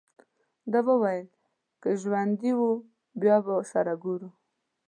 ده وویل: که ژوندي وو، بیا به سره ګورو.